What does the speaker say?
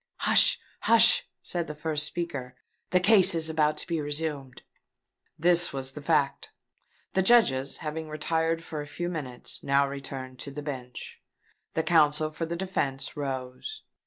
"Hush! hush!" said the first speaker: "the case is about to be resumed." This was the fact. The Judges, having retired for a few minutes, had now returned to the bench. The counsel for the defence rose.